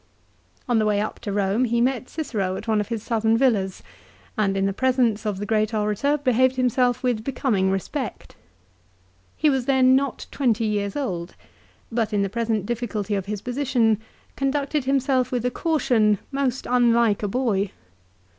On the way up to Eome he met Cicero at one of his southern villas, and in the presence of the great orator behaved himself with becoming respect. He was then not twenty years old, but in the present difficulty of his position conducted himself with a caution most unlike a boy.